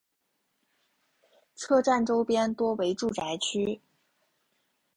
车站周边多为住宅区。